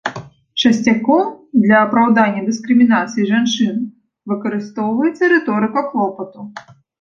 Часцяком для апраўдання дыскрымінацыі жанчын выкарыстоўваецца рыторыка клопату.